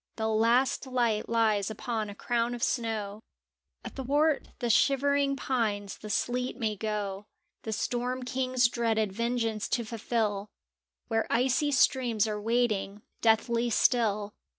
The last light lies upon a crown of snow; Athwart the shivering pines the sleet may go The Storm King's dreaded vengeance to fulfil Where icy streams are waiting, deathly still.